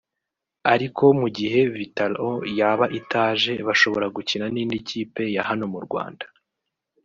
ariko mu gihe Vital’O yaba itaje bashobora gukina n’indi kipe ya hano mu Rwanda